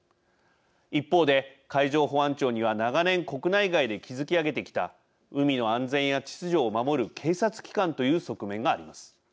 一方で、海上保安庁には長年、国内外で築き上げてきた海の安全や秩序を守る警察機関という側面があります。